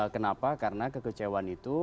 kenapa karena kekecewaan itu